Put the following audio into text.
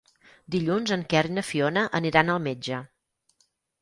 Dilluns en Quer i na Fiona aniran al metge.